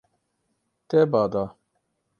Te ba da.